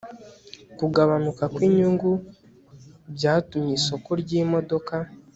kugabanuka kwinyungu byatumye isoko ryimodoka